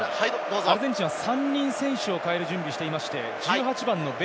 アルゼンチンは３人選手を代える準備をしています。